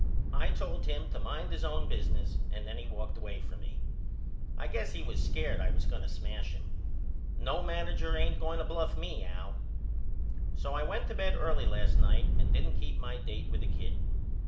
I told him to mind his own business and then he walked away from me. I guess he was scared I was going to smash him. No manager ain't going to bluff me Al. So I went to bed early last night and didn't keep my date with the kid.